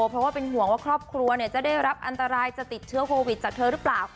เพราะว่าเป็นห่วงว่าครอบครัวจะได้รับอันตรายจะติดเชื้อโควิดจากเธอหรือเปล่า